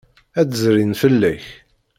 Ad d-zrin fell-ak.